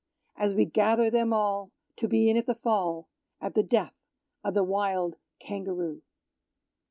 As we gather them all To be in at the fall At the death of the wild Kangaroo!